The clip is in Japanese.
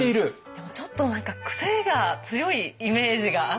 でもちょっと何か癖が強いイメージがあって。